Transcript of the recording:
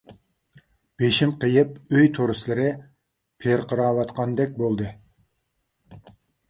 بېشىم قېيىپ ئۆي تورۇسلىرى پىرقىراۋاتقاندەك بولدى.